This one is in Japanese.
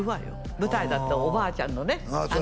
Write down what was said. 舞台だっておばあちゃんのねああ